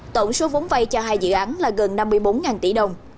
tổng số vốn vay cho hai dự án là gần năm mươi bốn tỷ đồng